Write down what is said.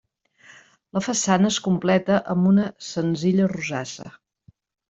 La façana es completa amb una senzilla rosassa.